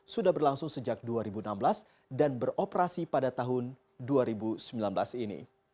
sudah berlangsung sejak dua ribu enam belas dan beroperasi pada tahun dua ribu sembilan belas ini